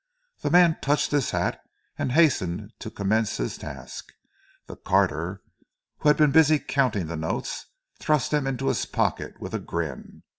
The man touched his hat and hastened to commence his task. The carter, who had been busy counting the notes, thrust them into his pocket with a grin.